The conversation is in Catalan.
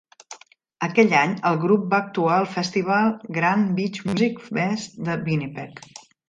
Aquell any el grup va actuar al festival Grand Beach Music Fest de Winnipeg.